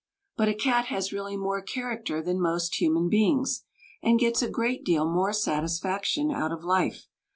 But a cat has really more character than most human beings, and gets a great deal more satisfaction out of life.